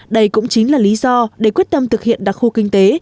đây cũng chính là lý do để quyết tâm thực hiện đặc khu kinh tế